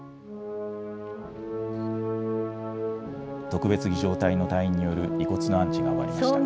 特別儀じょう隊の隊員による遺骨の安置が終わりました。